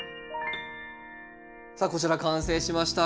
さあこちら完成しました。